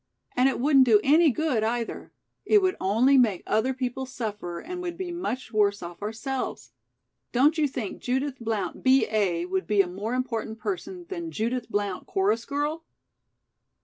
And it wouldn't do any good, either. It would only make other people suffer and we'd be much worse off ourselves. Don't you think Judith Blount, B. A., would be a more important person than Judith Blount, Chorus Girl?"